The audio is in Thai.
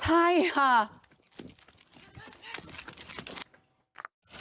ใช่ค่ะ